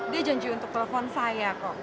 dia janji untuk telepon saya kok